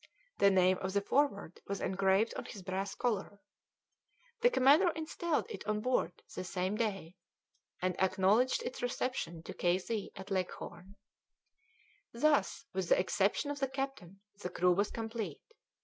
The name of the Forward was engraved on his brass collar. The commander installed it on board the same day, and acknowledged its reception to K. Z. at Leghorn. Thus, with the exception of the captain, the crew was complete.